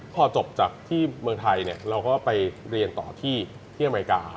พอจบจากที่เมืองไทยเราก็ไปเรียนต่อที่อเมริกา